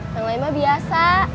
yang lain mah biasa